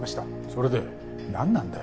それでなんなんだよ？